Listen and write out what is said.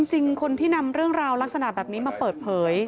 จริงคนที่นำเรื่องราวลักษณะแบบนี้มาเปิดเผย